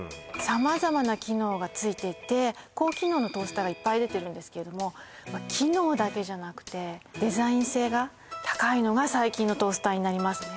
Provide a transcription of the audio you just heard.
様々な機能がついていて高機能のトースターがいっぱい出てるんですけれども機能だけじゃなくてデザイン性が高いのが最近のトースターになりますね